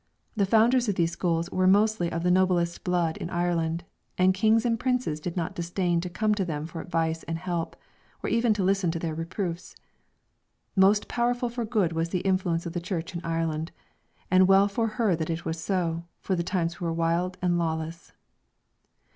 The founders of these schools were mostly of the noblest blood in Ireland, and kings and princes did not disdain to come to them for advice and help, or even to listen to their reproofs. Most powerful for good was the influence of the Church in Ireland, and well for her that it was so, for the times were wild and lawless.